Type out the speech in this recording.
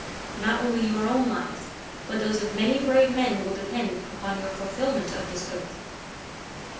Not only your own lives, but those of many brave men will depend upon your fulfilment of this oath."